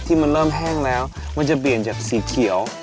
มันเริ่มแห้งแล้วมันจะเปลี่ยนจากสีเขียว